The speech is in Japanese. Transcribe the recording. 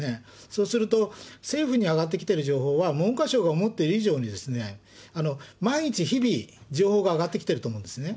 そうすると政府に上がってきている情報は、文科省が持ってる以上に、毎日日々、情報が上がってきていると思うんですね。